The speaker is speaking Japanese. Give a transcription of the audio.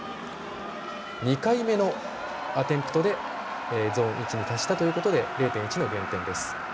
２回目のアテンプトでゾーン１に達したということで０．１の減点です。